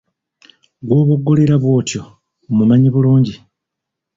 Gw'oboggolera bwotyo omumanyi bulungi.